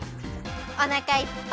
おなかいっぱい！